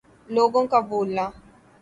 لوگوں کا بھولنا